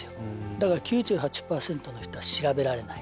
だから９８％の人は調べられない。